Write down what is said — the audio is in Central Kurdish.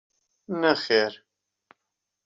نەخێر.